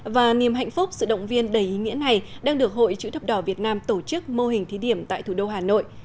và niềm hạnh phúc sự động viên đầy ý nghĩa này đang được hội chữ thập đỏ việt nam tổ chức mô hình thí điểm tại thủ đô hà nội